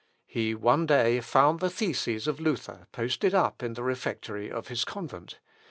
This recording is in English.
He one day found the theses of Luther posted up in the refectory of his convent.